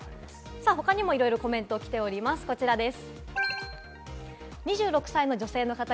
他にもいろいろコメント来ております、こちらです。